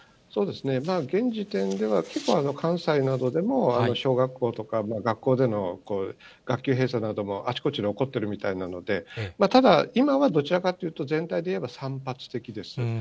まあ現時点では、結構、関西などでも小学校とか、学校での学級閉鎖なども、あちこちで起こっているみたいなので、ただ、今はどちらかというと全体でいえば散発的です。